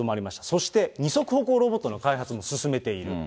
そして二足歩行ロボットの開発も進めている。